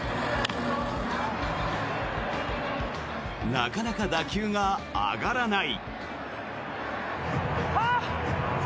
なかなか打球が上がらない。